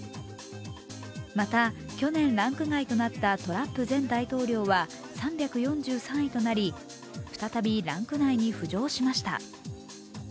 また去年ランク外となったトランプ前大統領は３４３位となり再びランク内に浮上しました。